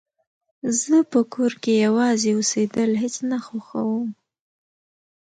زه په کور کې يوازې اوسيدل هيڅ نه خوښوم